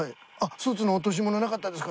「スーツの落とし物なかったですか？」